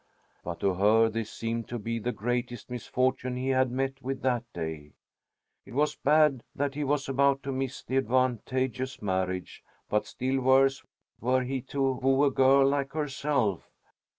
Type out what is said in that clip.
But to her this seemed to be the greatest misfortune he had met with that day. It was bad that he was about to miss the advantageous marriage, but still worse were he to woo a girl like herself.